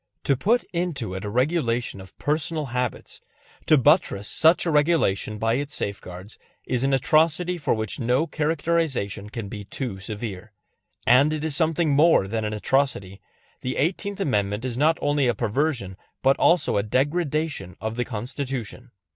To put into it a regulation of personal habits, to buttress such a regulation by its safeguards, is an atrocity for which no characterization can be too severe. And it is something more than an atrocity; the Eighteenth Amendment is not only a perversion but also a degradation of the Constitution.